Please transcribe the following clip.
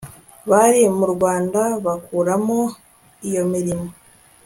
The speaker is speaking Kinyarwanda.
bari mu Rwanda barukoramo iyo mirimo